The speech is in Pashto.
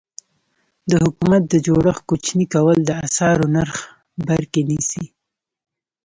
د حکومت د جوړښت کوچني کول د اسعارو نرخ بر کې نیسي.